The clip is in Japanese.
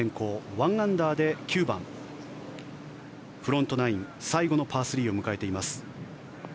１アンダーで９番フロントナイン、最後のパー３を迎えています。